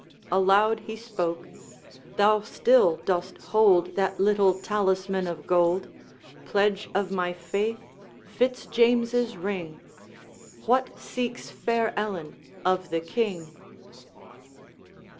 Aloud he spoke: 'Thou still dost hold That little talisman of gold, Pledge of my faith, Fitz James's ring, What seeks fair Ellen of the King?'